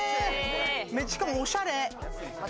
しかも、おしゃれ。